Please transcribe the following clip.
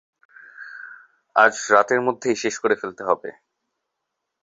আজ রাতের মধ্যেই শেষ করে ফেলতে হবে।